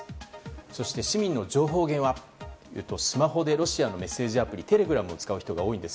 そして市民の情報源はスマホでロシアのメッセージアプリテレグラムを使う人が多いんです。